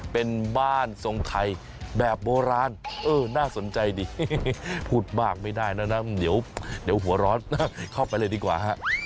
เป็นบ้านทรงไทยแบบโบราณเออน่าสนใจดีพูดมากไม่ได้แล้วนะเดี๋ยวหัวร้อนเข้าไปเลยดีกว่าฮะ